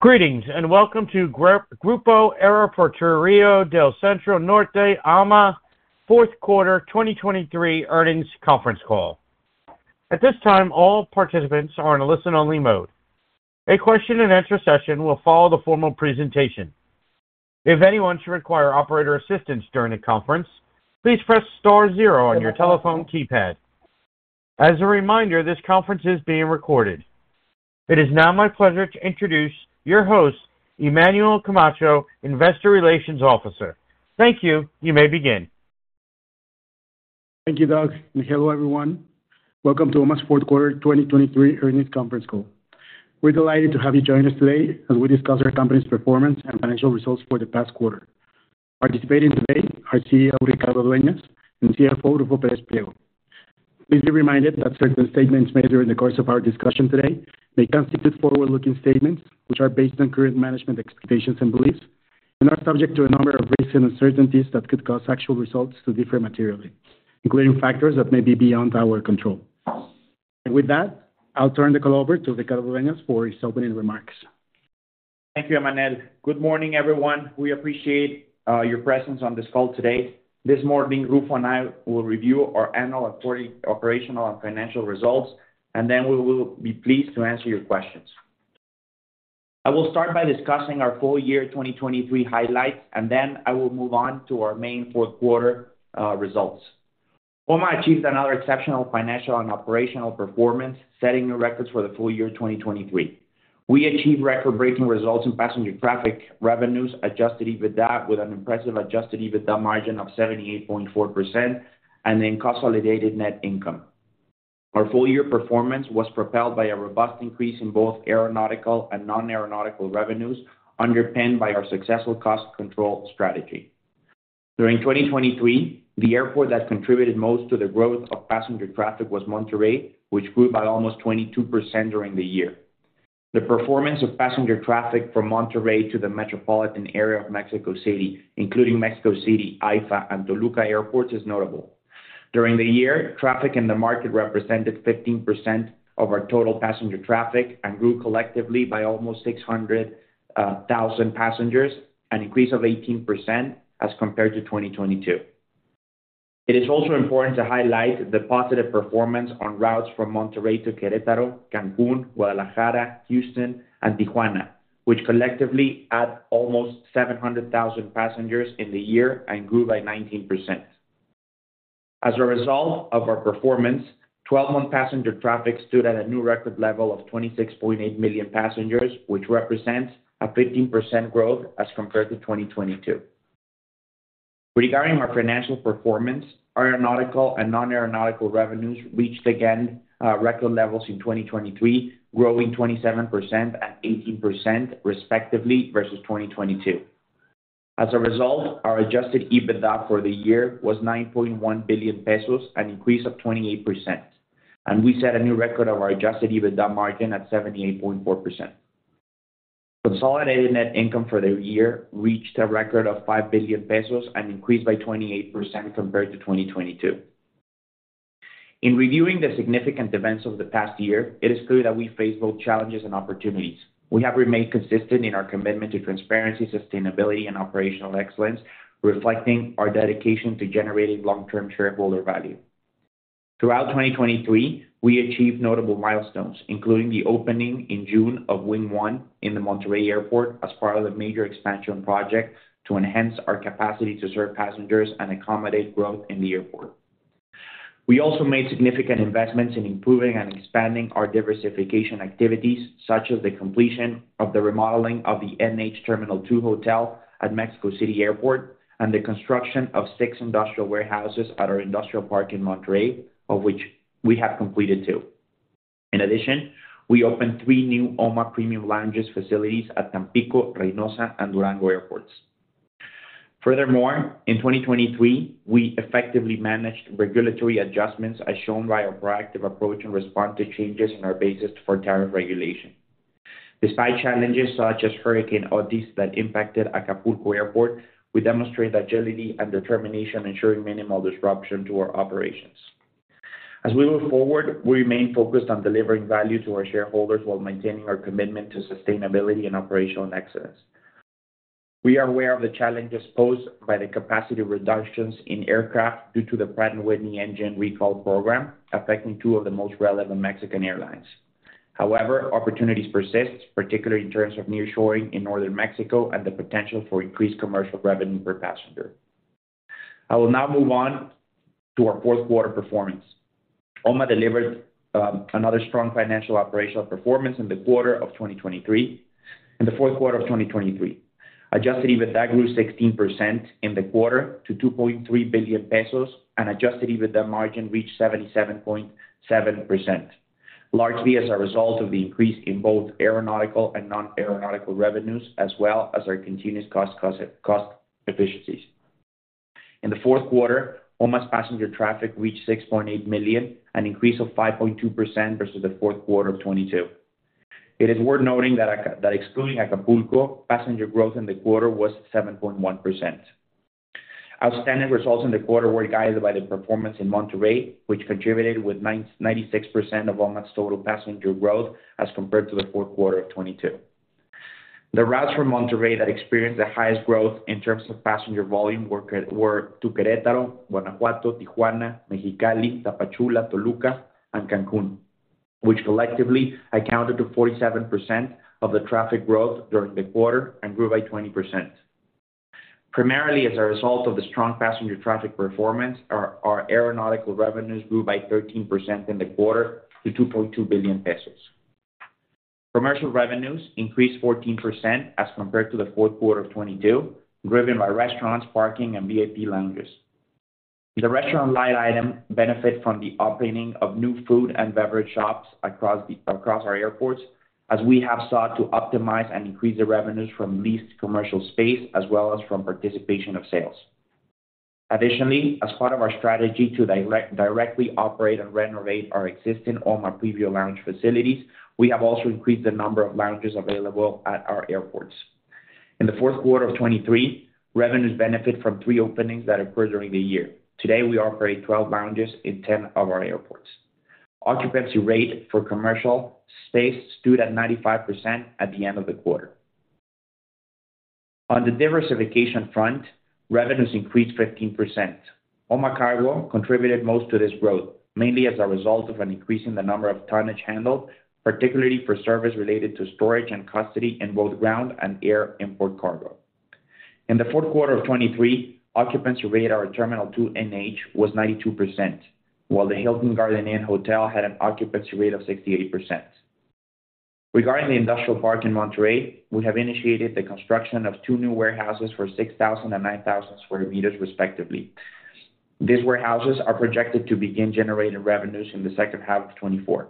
Greetings and welcome to Grupo Aeroportuario del Centro Norte, Emmanuel Camacho, fourth quarter 2023 earnings conference call. At this time, all participants are in a listen-only mode. A question-and-answer session will follow the formal presentation. If anyone should require operator assistance during the conference, please press star zero on your telephone keypad. As a reminder, this conference is being recorded. It is now my pleasure to introduce your host, Emmanuel Camacho, Investor Relations Officer. Thank you. You may begin. Thank you, Doug. Hello everyone. Welcome to OMA's fourth quarter 2023 earnings conference call. We're delighted to have you join us today as we discuss our company's performance and financial results for the past quarter. Participating today are CEO Ricardo Dueñas and CFO Ruffo Pérez Pliego. Please be reminded that certain statements made during the course of our discussion today may constitute forward-looking statements which are based on current management expectations and beliefs, and are subject to a number of risks and uncertainties that could cause actual results to differ materially, including factors that may be beyond our control. With that, I'll turn the call over to Ricardo Dueñas for his opening remarks. Thank you, Emmanuel. Good morning, everyone. We appreciate your presence on this call today. This morning, Ruffo and I will review our annual operational and financial results, and then we will be pleased to answer your questions. I will start by discussing our full year 2023 highlights, and then I will move on to our main fourth quarter results. OMA achieved another exceptional financial and operational performance, setting new records for the full year 2023. We achieved record-breaking results in passenger traffic revenues, Adjusted EBITDA with an impressive Adjusted EBITDA margin of 78.4%, and then consolidated net income. Our full year performance was propelled by a robust increase in both aeronautical and non-aeronautical revenues, underpinned by our successful cost control strategy. During 2023, the airport that contributed most to the growth of passenger traffic was Monterrey, which grew by almost 22% during the year. The performance of passenger traffic from Monterrey to the metropolitan area of Mexico City, including Mexico City, AIFA, and Toluca airports, is notable. During the year, traffic in the market represented 15% of our total passenger traffic and grew collectively by almost 600,000 passengers, an increase of 18% as compared to 2022. It is also important to highlight the positive performance on routes from Monterrey to Querétaro, Cancún, Guadalajara, Houston, and Tijuana, which collectively add almost 700,000 passengers in the year and grew by 19%. As a result of our performance, 12-month passenger traffic stood at a new record level of 26.8 million passengers, which represents a 15% growth as compared to 2022. Regarding our financial performance, aeronautical and non-aeronautical revenues reached again record levels in 2023, growing 27% and 18% respectively versus 2022. As a result, our Adjusted EBITDA for the year was 9.1 billion pesos, an increase of 28%, and we set a new record of our Adjusted EBITDA margin at 78.4%. Consolidated net income for the year reached a record of 5 billion pesos and increased by 28% compared to 2022. In reviewing the significant events of the past year, it is clear that we faced both challenges and opportunities. We have remained consistent in our commitment to transparency, sustainability, and operational excellence, reflecting our dedication to generating long-term shareholder value. Throughout 2023, we achieved notable milestones, including the opening in June of Wing 1 in the Monterrey Airport as part of a major expansion project to enhance our capacity to serve passengers and accommodate growth in the airport. We also made significant investments in improving and expanding our diversification activities, such as the completion of the remodeling of the NH Terminal 2 hotel at Mexico City Airport and the construction of six industrial warehouses at our industrial park in Monterrey, of which we have completed two. In addition, we opened three new OMA Premium Lounges facilities at Tampico, Reynosa, and Durango airports. Furthermore, in 2023, we effectively managed regulatory adjustments as shown by our proactive approach and response to changes in our basis for tariff regulation. Despite challenges such as Hurricane Otis that impacted Acapulco airport, we demonstrated agility and determination, ensuring minimal disruption to our operations. As we move forward, we remain focused on delivering value to our shareholders while maintaining our commitment to sustainability and operational excellence. We are aware of the challenges posed by the capacity reductions in aircraft due to the Pratt & Whitney Engine Recall program, affecting two of the most relevant Mexican airlines. However, opportunities persist, particularly in terms of nearshoring in northern Mexico and the potential for increased commercial revenue per passenger. I will now move on to our fourth quarter performance. OMA delivered another strong financial operational performance in the quarter of 2023. In the fourth quarter of 2023, adjusted EBITDA grew 16% in the quarter to 2.3 billion pesos, and adjusted EBITDA margin reached 77.7%, largely as a result of the increase in both aeronautical and non-aeronautical revenues, as well as our continuous cost efficiencies. In the fourth quarter, OMA's passenger traffic reached 6.8 million, an increase of 5.2% versus the fourth quarter of 2022. It is worth noting that excluding Acapulco, passenger growth in the quarter was 7.1%. Outstanding results in the quarter were guided by the performance in Monterrey, which contributed with 96% of OMA's total passenger growth as compared to the fourth quarter of 2022. The routes from Monterrey that experienced the highest growth in terms of passenger volume were to Querétaro, Guanajuato, Tijuana, Mexicali, Tapachula, Toluca, and Cancún, which collectively accounted for 47% of the traffic growth during the quarter and grew by 20%. Primarily as a result of the strong passenger traffic performance, our aeronautical revenues grew by 13% in the quarter to 2.2 billion pesos. Commercial revenues increased 14% as compared to the fourth quarter of 2022, driven by restaurants, parking, and VIP lounges. The restaurant line items benefited from the opening of new food and beverage shops across our airports, as we have sought to optimize and increase the revenues from leased commercial space as well as from participation of sales. Additionally, as part of our strategy to directly operate and renovate our existing OMA Premium Lounge facilities, we have also increased the number of lounges available at our airports. In the fourth quarter of 2023, revenues benefited from three openings that occurred during the year. Today, we operate 12 lounges in 10 of our airports. Occupancy rate for commercial space stood at 95% at the end of the quarter. On the diversification front, revenues increased 15%. OMA Carga contributed most to this growth, mainly as a result of increasing the number of tonnage handled, particularly for service related to storage and custody in both ground and air import cargo. In the fourth quarter of 2023, occupancy rate at our Terminal 2 NH was 92%, while the Hilton Garden Inn Hotel had an occupancy rate of 68%. Regarding the industrial park in Monterrey, we have initiated the construction of two new warehouses for 6,000 and 9,000 square meters, respectively. These warehouses are projected to begin generating revenues in the second half of 2024.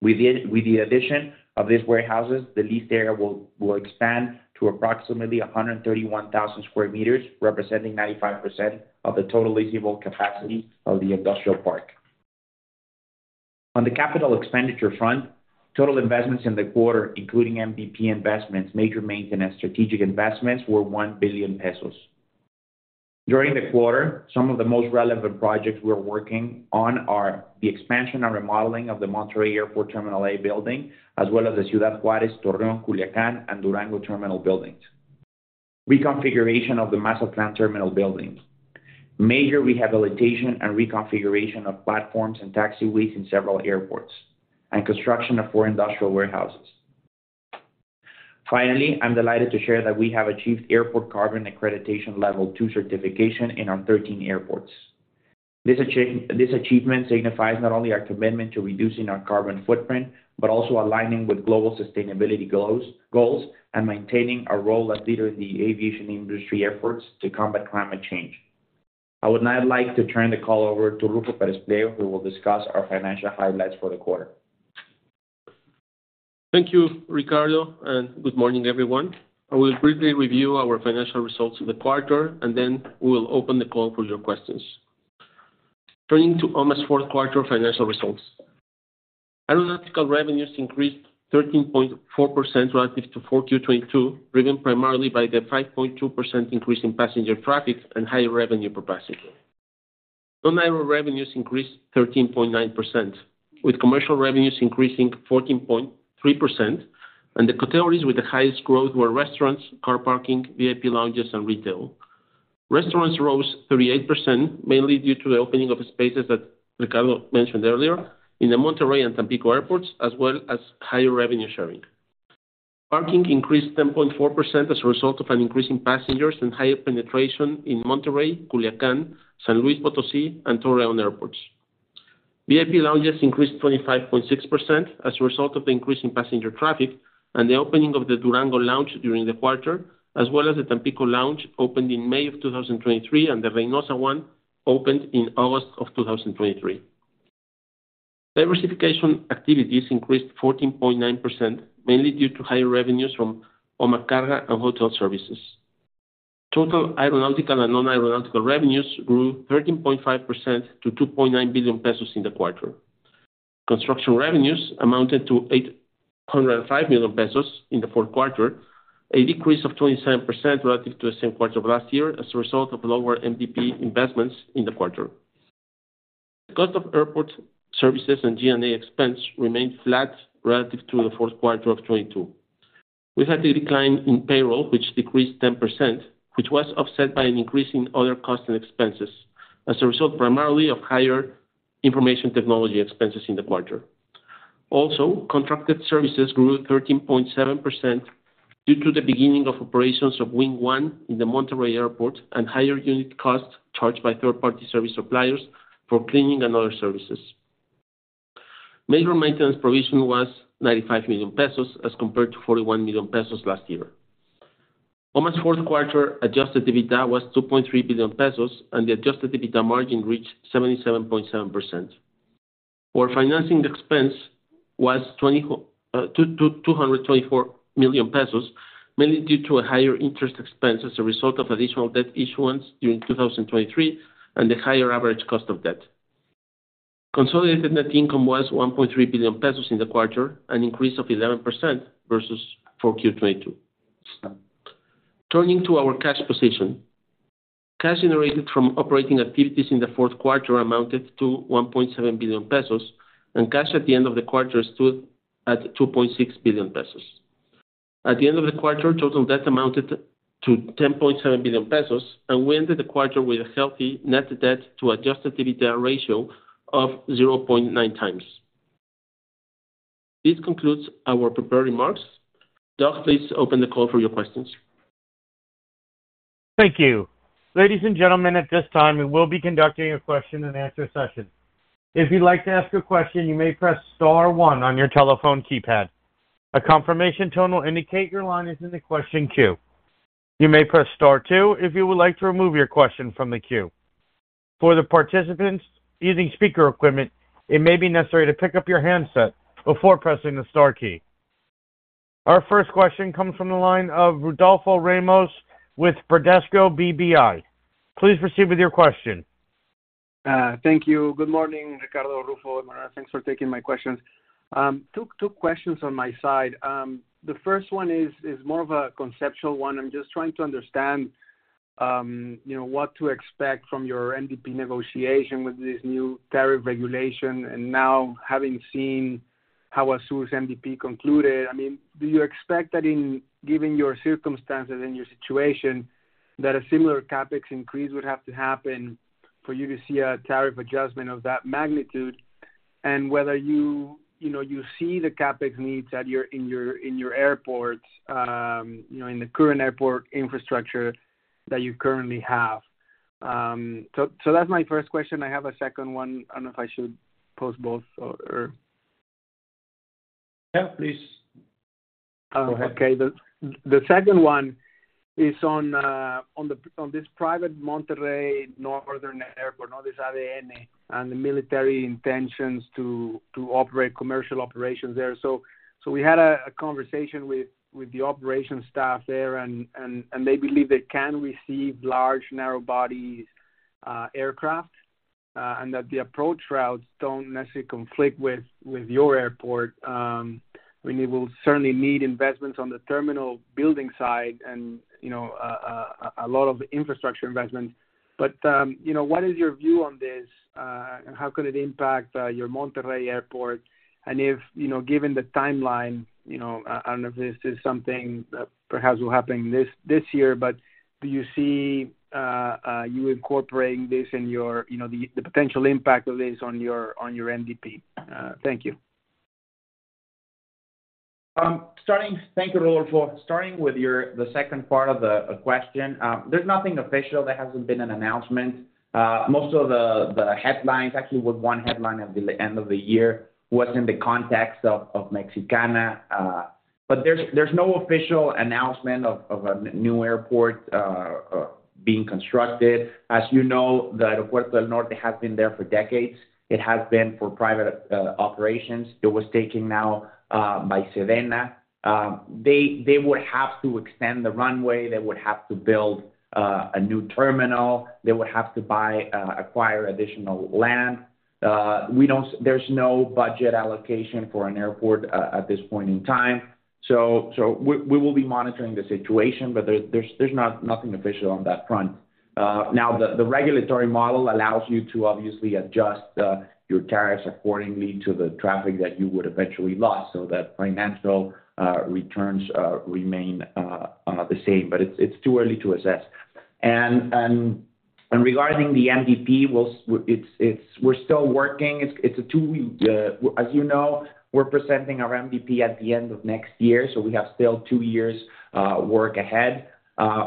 With the addition of these warehouses, the leased area will expand to approximately 131,000 square meters, representing 95% of the total leasable capacity of the industrial park. On the capital expenditure front, total investments in the quarter, including MDP investments, major maintenance, strategic investments, were 1 billion pesos. During the quarter, some of the most relevant projects we were working on are the expansion and remodeling of the Monterrey Airport Terminal A building, as well as the Ciudad Juárez, Torreón, Culiacán, and Durango terminal buildings, reconfiguration of the Mazatlán terminal building, major rehabilitation and reconfiguration of platforms and taxiways in several airports, and construction of four industrial warehouses. Finally, I'm delighted to share that we have achieved Airport Carbon Accreditation level 2 certification in our 13 airports. This achievement signifies not only our commitment to reducing our carbon footprint but also aligning with global sustainability goals and maintaining our role as leaders in the aviation industry efforts to combat climate change. I would now like to turn the call over to Ruffo Pérez Pliego, who will discuss our financial highlights for the quarter. Thank you, Ricardo, and good morning, everyone. I will briefly review our financial results of the quarter, and then we will open the call for your questions. Turning to OMA's fourth quarter financial results. Aeronautical revenues increased 13.4% relative to 4Q22, driven primarily by the 5.2% increase in passenger traffic and high revenue capacity. Non-aeronautical revenues increased 13.9%, with commercial revenues increasing 14.3%, and the categories with the highest growth were restaurants, car parking, VIP lounges, and retail. Restaurants rose 38%, mainly due to the opening of spaces that Ricardo mentioned earlier in the Monterrey and Tampico airports, as well as higher revenue sharing. Parking increased 10.4% as a result of increasing passengers and higher penetration in Monterrey, Culiacán, San Luis Potosí, and Torreón airports. VIP lounges increased 25.6% as a result of increasing passenger traffic and the opening of the Durango lounge during the quarter, as well as the Tampico lounge opened in May of 2023 and the Reynosa one opened in August of 2023. Diversification activities increased 14.9%, mainly due to higher revenues from OMA Carga and hotel services. Total aeronautical and non-aeronautical revenues grew 13.5% to 2.9 billion pesos in the quarter. Construction revenues amounted to 805 million pesos in the fourth quarter, a decrease of 27% relative to the same quarter of last year as a result of lower MDP investments in the quarter. Cost of airport services and G&A expense remained flat relative to the fourth quarter of 2022. We had a decline in payroll, which decreased 10%, which was offset by an increase in other costs and expenses as a result primarily of higher information technology expenses in the quarter. Also, contracted services grew 13.7% due to the beginning of operations of Wing 1 in the Monterrey Airport and higher unit costs charged by third-party service suppliers for cleaning and other services. Major maintenance provision was 95 million pesos as compared to 41 million pesos last year. OMA's fourth quarter Adjusted EBITDA was 2.3 billion pesos, and the Adjusted EBITDA margin reached 77.7%. Our financing expense was 224 million pesos, mainly due to higher interest expense as a result of additional debt issuance during 2023 and the higher average cost of debt. Consolidated net income was 1.3 billion pesos in the quarter, an increase of 11% versus 4Q22. Turning to our cash position. Cash generated from operating activities in the fourth quarter amounted to 1.7 billion pesos, and cash at the end of the quarter stood at 2.6 billion pesos. At the end of the quarter, total debt amounted to 10.7 billion pesos, and we ended the quarter with a healthy net debt-to-Adjusted EBITDA ratio of 0.9 times. This concludes our prepared remarks. Doug, please open the call for your questions. Thank you. Ladies and gentlemen, at this time, we will be conducting a question-and-answer session. If you'd like to ask a question, you may press star one on your telephone keypad. A confirmation tone will indicate your line is in the question queue. You may press star two if you would like to remove your question from the queue. For the participants using speaker equipment, it may be necessary to pick up your handset before pressing the star key. Our first question comes from the line of Rodolfo Ramos with Bradesco BBI. Please proceed with your question. Thank you. Good morning, Ricardo, Ruffo, Emmanuel. Thanks for taking my questions. Two questions on my side. The first one is more of a conceptual one. I'm just trying to understand what to expect from your MDP negotiation with this new tariff regulation and now having seen how ASUR MDP concluded. I mean, do you expect that in given your circumstances and your situation, that a similar CapEx increase would have to happen for you to see a tariff adjustment of that magnitude and whether you see the CapEx needs in your airports, in the current airport infrastructure that you currently have? So that's my first question. I have a second one. I don't know if I should post both or. Yeah, please. Go ahead. Okay. The second one is on this private Monterrey Northern Airport, known as ADN, and the military intentions to operate commercial operations there. So we had a conversation with the operations staff there, and they believe they can receive large, narrow-body aircraft and that the approach routes don't necessarily conflict with your airport. I mean, we'll certainly need investments on the terminal building side and a lot of infrastructure investments. But what is your view on this, and how could it impact your Monterrey airport? And given the timeline, I don't know if this is something that perhaps will happen this year, but do you see you incorporating this and the potential impact of this on your MDP? Thank you. Thank you, Rodolfo. Starting with the second part of the question, there's nothing official that hasn't been an announcement. Most of the headlines, actually, with one headline at the end of the year, was in the context of Mexicana. But there's no official announcement of a new airport being constructed. As you know, the Aeropuerto del Norte has been there for decades. It has been for private operations. It was taken now by SEDENA. They would have to extend the runway. They would have to build a new terminal. They would have to acquire additional land. There's no budget allocation for an airport at this point in time. So we will be monitoring the situation, but there's nothing official on that front. Now, the regulatory model allows you to obviously adjust your tariffs accordingly to the traffic that you would eventually lose so that financial returns remain the same. It's too early to assess. Regarding the MDP, we're still working. As you know, we're presenting our MDP at the end of next year, so we have still two years' work ahead.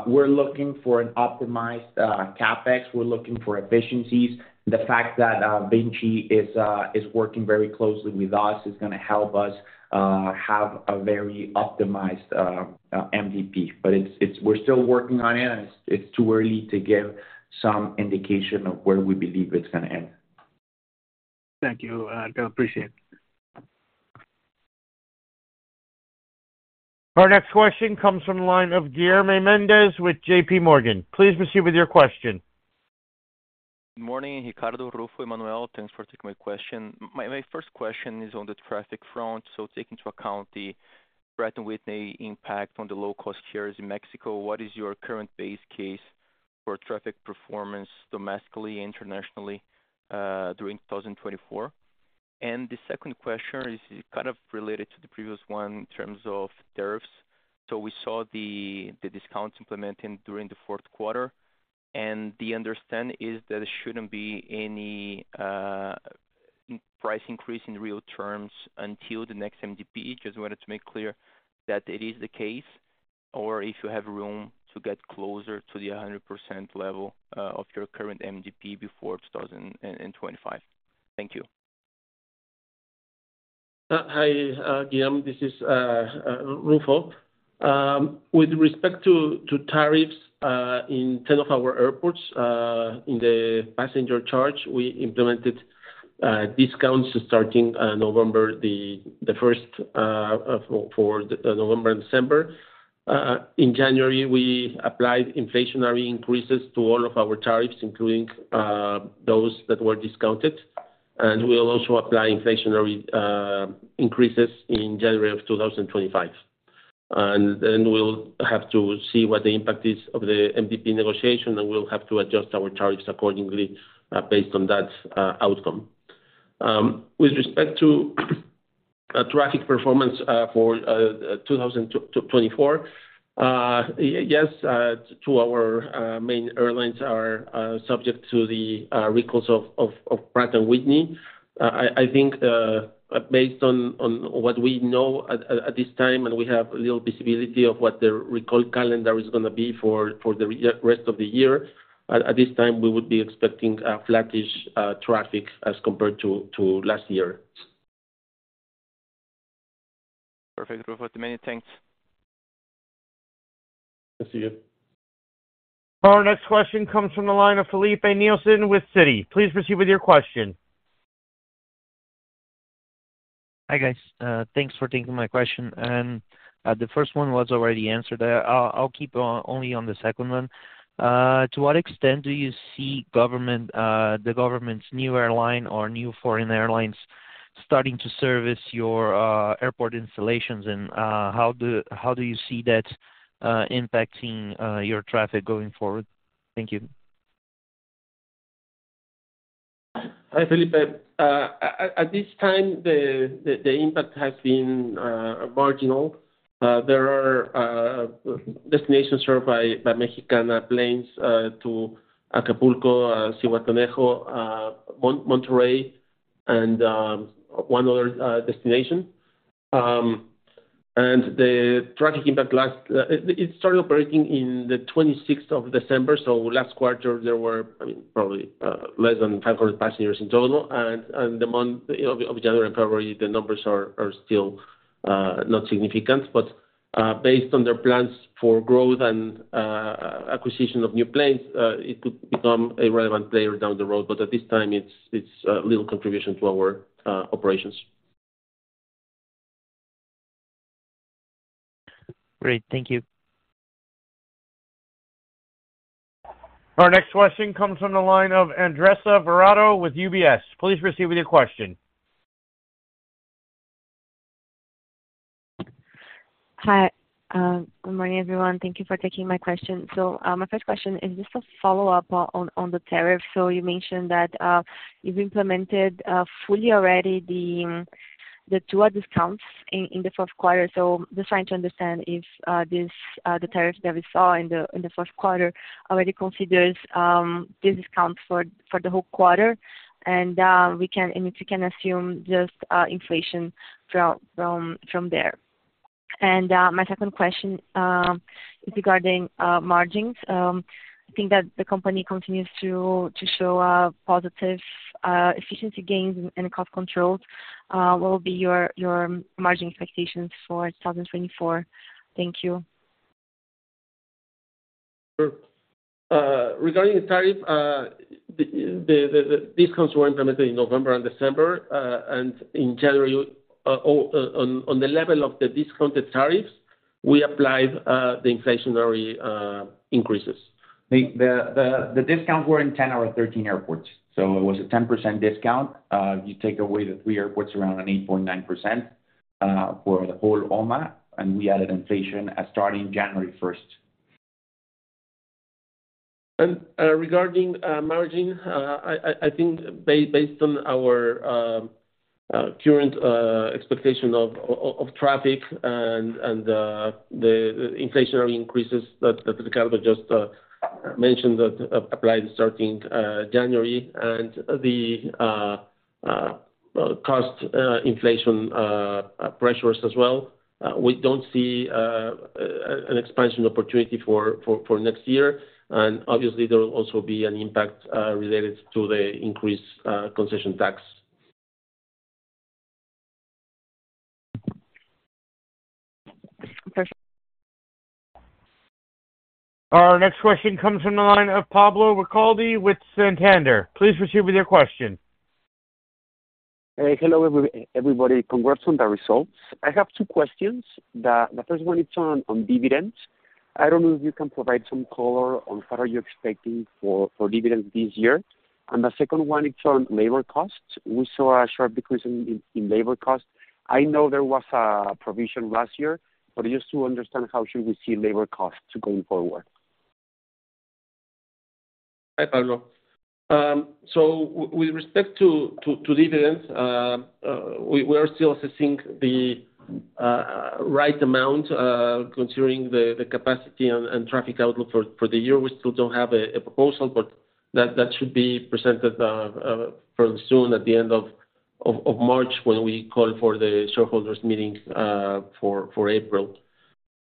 We're looking for an optimized CapEx. We're looking for efficiencies. The fact that Vinci is working very closely with us is going to help us have a very optimized MDP. We're still working on it, and it's too early to give some indication of where we believe it's going to end. Thank you, Ricardo. Appreciate it. Our next question comes from the line of Guilherme Mendes with JPMorgan. Please proceed with your question. Good morning, Ricardo, Ruffo, Emmanuel. Thanks for taking my question. My first question is on the traffic front. So taking into account the Pratt & Whitney impact on the low-cost carriers in Mexico, what is your current base case for traffic performance domestically and internationally during 2024? And the second question is kind of related to the previous one in terms of tariffs. So we saw the discounts implemented during the fourth quarter. And the understanding is that there shouldn't be any price increase in real terms until the next MDP. Just wanted to make clear that it is the case or if you have room to get closer to the 100% level of your current MDP before 2025. Thank you. Hi, Guilherme. This is Ruffo. With respect to tariffs in 10 of our airports, in the passenger charge, we implemented discounts starting November the 1st for November and December. In January, we applied inflationary increases to all of our tariffs, including those that were discounted. We'll also apply inflationary increases in January of 2025. Then we'll have to see what the impact is of the MDP negotiation, and we'll have to adjust our tariffs accordingly based on that outcome. With respect to traffic performance for 2024, yes, two of our main airlines are subject to the recalls of Pratt & Whitney. I think based on what we know at this time, and we have little visibility of what the recall calendar is going to be for the rest of the year, at this time, we would be expecting flattish traffic as compared to last year. Perfect, Ruffo. Too many thanks. Thanks to you. Our next question comes from the line of Felipe Nielsen with Citi. Please proceed with your question. Hi, guys. Thanks for taking my question. And the first one was already answered. I'll keep only on the second one. To what extent do you see the government's new airline or new foreign airlines starting to service your airport installations, and how do you see that impacting your traffic going forward? Thank you. Hi, Felipe. At this time, the impact has been marginal. There are destinations served by Mexicana planes to Acapulco, Zihuatanejo, Monterrey, and one other destination. And the traffic impact last it started operating on the 26th of December. So last quarter, there were, I mean, probably less than 500 passengers in total. And in the month of January and February, the numbers are still not significant. But based on their plans for growth and acquisition of new planes, it could become a relevant player down the road. But at this time, it's a little contribution to our operations. Great. Thank you. Our next question comes from the line of Andressa Varotto with UBS. Please proceed with your question. Hi. Good morning, everyone. Thank you for taking my question. So my first question, is this a follow-up on the tariff? So you mentioned that you've implemented fully already the two discounts in the fourth quarter. So just trying to understand if the tariff that we saw in the fourth quarter already considers the discount for the whole quarter, and if we can assume just inflation from there. And my second question is regarding margins. I think that the company continues to show positive efficiency gains and cost controls. What will be your margin expectations for 2024? Thank you. Regarding the tariff, the discounts were implemented in November and December. In January, on the level of the discounted tariffs, we applied the inflationary increases. The discounts were in 10 or 13 airports. So it was a 10% discount. You take away the three airports, around an 8.9% for the whole OMA, and we added inflation starting January 1st. Regarding margin, I think based on our current expectation of traffic and the inflationary increases that Ricardo just mentioned that applied starting January and the cost inflation pressures as well, we don't see an expansion opportunity for next year. Obviously, there will also be an impact related to the increased concession tax. Perfect. Our next question comes from the line of Pablo Ricalde with Santander. Please proceed with your question. Hello, everybody. Congrats on the results. I have two questions. The first one, it's on dividends. I don't know if you can provide some color on what are you expecting for dividends this year. The second one, it's on labor costs. We saw a sharp decrease in labor costs. I know there was a provision last year, but just to understand, how should we see labor costs going forward? Hi, Pablo. So with respect to dividends, we are still assessing the right amount considering the capacity and traffic outlook for the year. We still don't have a proposal, but that should be presented fairly soon at the end of March when we call for the shareholders' meeting for April.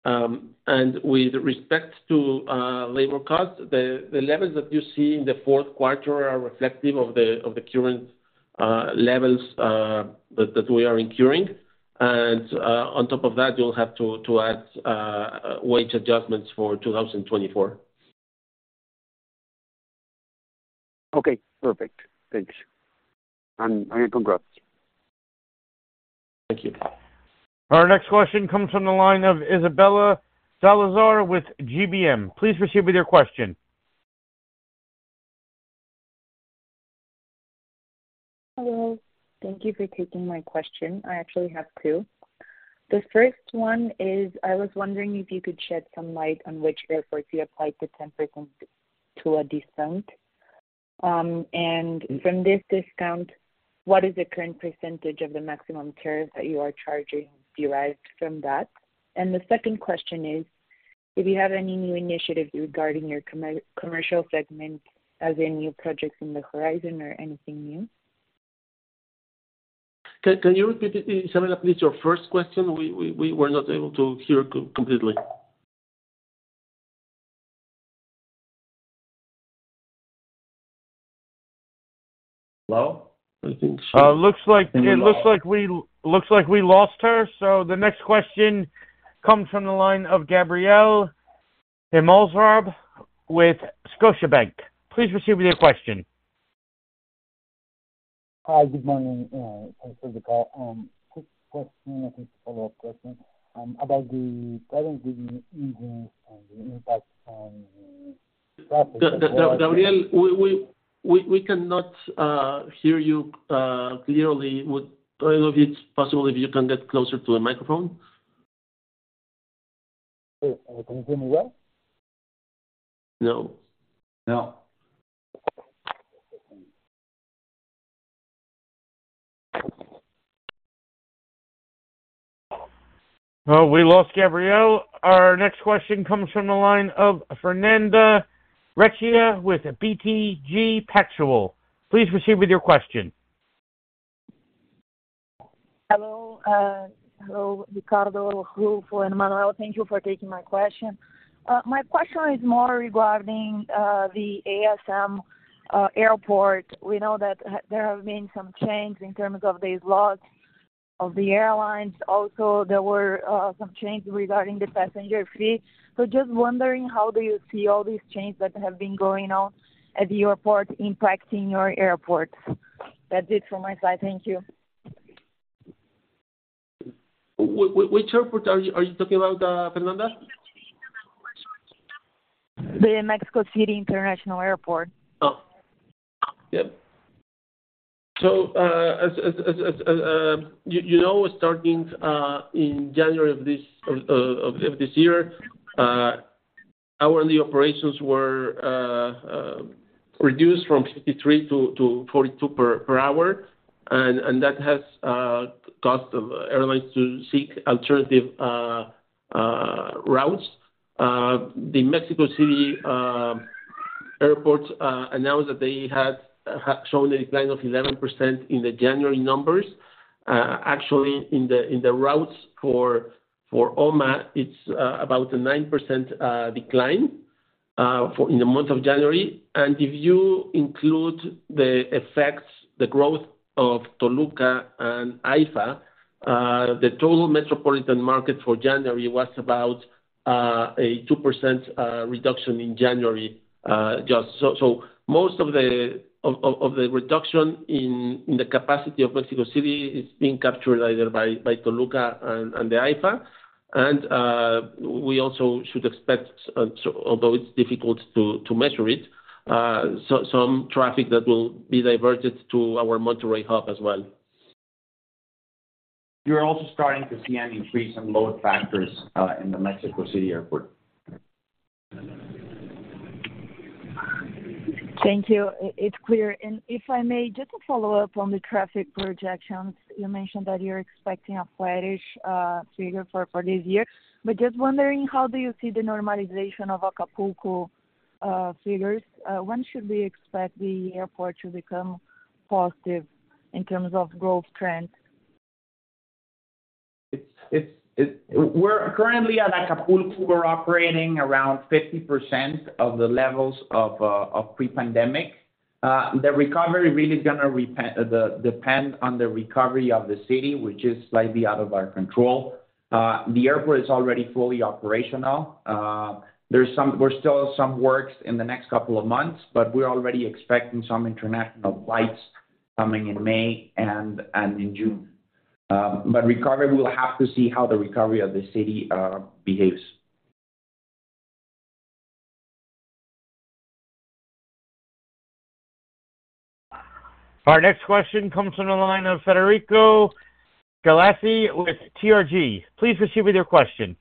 And with respect to labor costs, the levels that you see in the fourth quarter are reflective of the current levels that we are incurring. And on top of that, you'll have to add wage adjustments for 2024. Okay. Perfect. Thanks. And congrats. Thank you. Our next question comes from the line of Isabela Salazar with GBM. Please proceed with your question. Hello. Thank you for taking my question. I actually have two. The first one is I was wondering if you could shed some light on which airports you applied the 10% discount. And from this discount, what is the current percentage of the maximum tariff that you are charging derived from that? And the second question is if you have any new initiatives regarding your commercial segment, as in new projects in the horizon or anything new? Can you repeat, Isabella, please, your first question? We were not able to hear completely. Hello? I think she. Looks like we lost her. So the next question comes from the line of Gabriel Himelfarb with Scotiabank. Please proceed with your question. Hi. Good morning. Thanks for the call. Quick question. I think it's a follow-up question about the Pratt & Whitney engines and the impact on the traffic. Gabriel, we cannot hear you clearly. I don't know if it's possible if you can get closer to the microphone. Sure. Can you hear me well? No. No. We lost Gabriel. Our next question comes from the line of Fernanda Recchia with BTG Pactual. Please proceed with your question. Hello. Hello, Ricardo, Ruffo, and Emmanuel. Thank you for taking my question. My question is more regarding the AICM airport. We know that there have been some changes in terms of the laws of the airlines. Also, there were some changes regarding the passenger fee. So just wondering, how do you see all these changes that have been going on at the airport impacting your airports? That's it from my side. Thank you. Which airport are you talking about, Fernanda? The Mexico City International Airport. Oh. Yep. As you know, starting in January of this year, hourly operations were reduced from 53 to 42 per hour. That has caused airlines to seek alternative routes. The Mexico City Airport announced that they had shown a decline of 11% in the January numbers. Actually, in the routes for OMA, it's about a 9% decline in the month of January. If you include the effects, the growth of Toluca and AIFA, the total metropolitan market for January was about a 2% reduction in January. Most of the reduction in the capacity of Mexico City is being captured either by Toluca and the AIFA. We also should expect, although it's difficult to measure it, some traffic that will be diverted to our Monterrey hub as well. You're also starting to see an increase in load factors in the Mexico City Airport. Thank you. It's clear. And if I may, just a follow-up on the traffic projections. You mentioned that you're expecting a flattish figure for this year. But just wondering, how do you see the normalization of Acapulco figures? When should we expect the airport to become positive in terms of growth trends? We're currently at Acapulco. We're operating around 50% of the levels of pre-pandemic. The recovery really is going to depend on the recovery of the city, which is slightly out of our control. The airport is already fully operational. There's still some works in the next couple of months, but we're already expecting some international flights coming in May and in June. We'll have to see how the recovery of the city behaves. Our next question comes from the line of Federico Galassi with TRG. Please proceed with your question.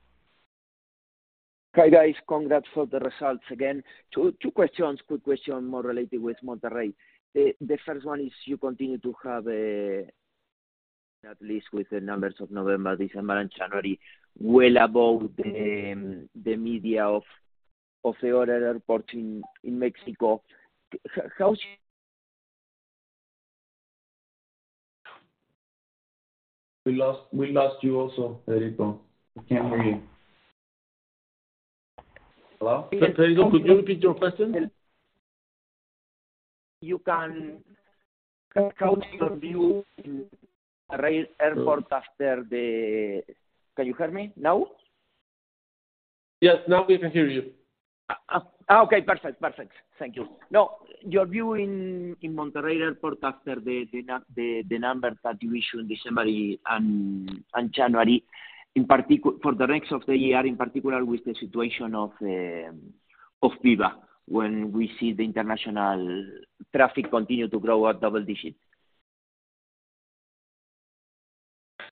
Hi, guys. Congrats on the results again. Two questions, quick question, more related with Monterrey. The first one is you continue to have, at least with the numbers of November, December, and January, well above the median of the other airports in Mexico. How's your? We lost you also, Federico. I can't hear you. Hello? Federico, could you repeat your question? You can count your view in Monterrey Airport after the. Can you hear me now? Yes. Now we can hear you. Okay. Perfect. Perfect. Thank you. No, your view in Monterrey Airport after the numbers that you issued in December and January, for the rest of the year, in particular with the situation of AIFA when we see the international traffic continue to grow at double digits?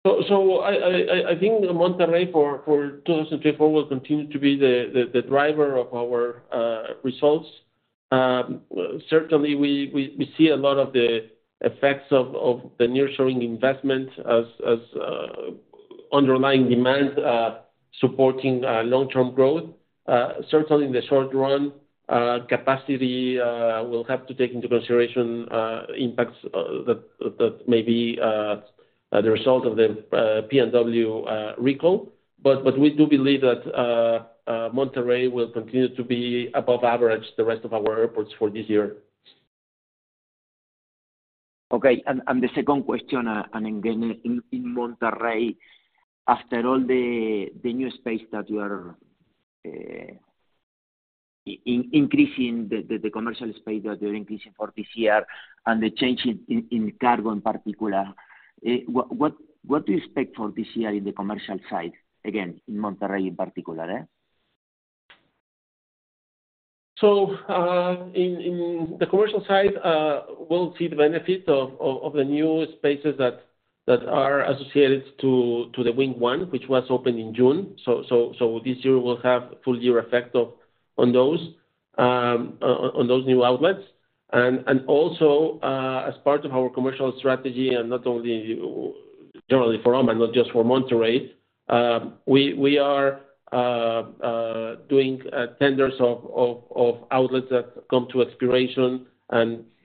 I think Monterrey, for 2024, will continue to be the driver of our results. Certainly, we see a lot of the effects of the nearshoring investment as underlying demand supporting long-term growth. Certainly, in the short run, capacity will have to take into consideration impacts that may be the result of the P&W recall. We do believe that Monterrey will continue to be above average the rest of our airports for this year. Okay. And the second question, and again, in Monterrey, after all the new space that you are increasing, the commercial space that you're increasing for this year and the change in cargo, in particular, what do you expect for this year in the commercial side, again, in Monterrey in particular? So in the commercial side, we'll see the benefit of the new spaces that are associated to the Wing 1, which was opened in June. So this year, we'll have full-year effect on those new outlets. And also, as part of our commercial strategy, and not only generally for OMA, not just for Monterrey, we are doing tenders of outlets that come to expiration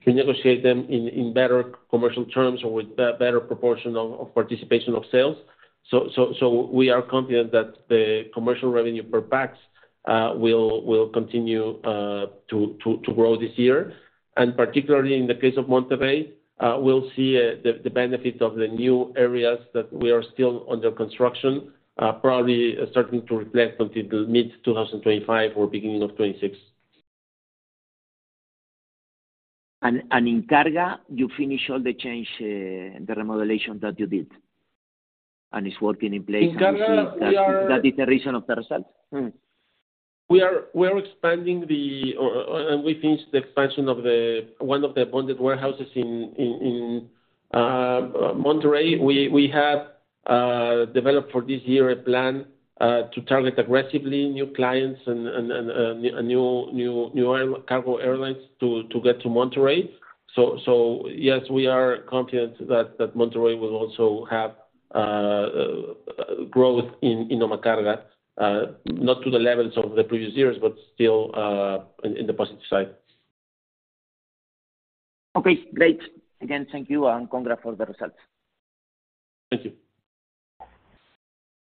and renegotiate them in better commercial terms or with better proportion of participation of sales. So we are confident that the commercial revenue per Pax will continue to grow this year. And particularly in the case of Monterrey, we'll see the benefit of the new areas that we are still under construction probably starting to reflect until mid-2025 or beginning of 2026. In Carga, you finish all the change, the remodeling that you did, and it's working in place? In Carga, yeah. That is the reason of the results? We are expanding and we finished the expansion of one of the bonded warehouses in Monterrey. We have developed for this year a plan to target aggressively new clients and new cargo airlines to get to Monterrey. So yes, we are confident that Monterrey will also have growth in OMA Carga, not to the levels of the previous years, but still in the positive side. Okay. Great. Again, thank you and congrats for the results. Thank you.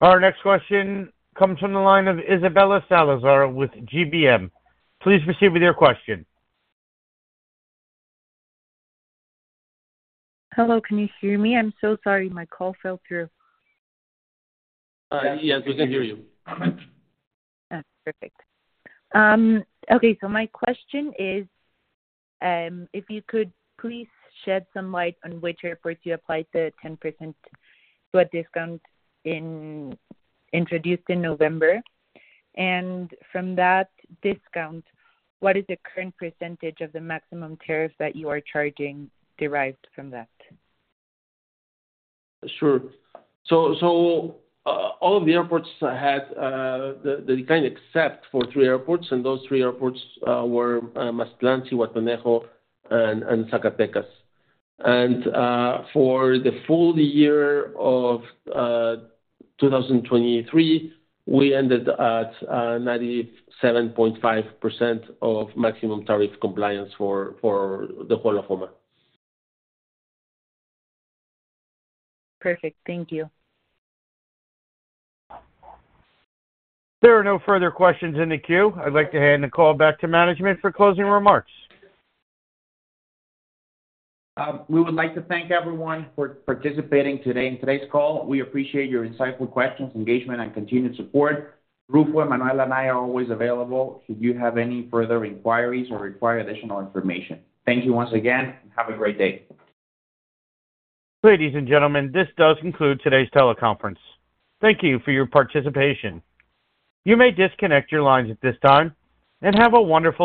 Our next question comes from the line of Isabela Salazar with GBM. Please proceed with your question. Hello. Can you hear me? I'm so sorry. My call fell through. Yes. We can hear you. Perfect. Okay. So my question is if you could please shed some light on which airports you applied the 10% discount introduced in November. And from that discount, what is the current percentage of the maximum tariff that you are charging derived from that? Sure. So all of the airports had the decline except for three airports, and those three airports were Mazatlán, Zihuatanejo, and Zacatecas. For the full year of 2023, we ended at 97.5% of maximum tariff compliance for the whole of OMA. Perfect. Thank you. There are no further questions in the queue. I'd like to hand the call back to management for closing remarks. We would like to thank everyone for participating today in today's call. We appreciate your insightful questions, engagement, and continued support. Ruffo, Emmanuel, and I are always available should you have any further inquiries or require additional information. Thank you once again. Have a great day. Ladies and gentlemen, this does conclude today's teleconference. Thank you for your participation. You may disconnect your lines at this time and have a wonderful.